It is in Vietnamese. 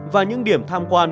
và những điểm tham quan